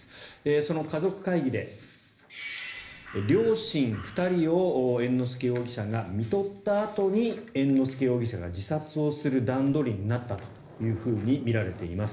その家族会議で両親２人を猿之助容疑者がみとったあとに猿之助容疑者が自殺をする段取りになったというふうにみられています。